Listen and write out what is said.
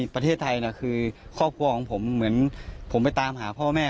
ประเทศไทยคือครอบครัวของผมเหมือนผมไปตามหาพ่อแม่